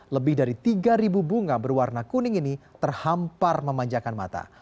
lebih dari tiga bunga berwarna kuning ini terhampar memanjakan mata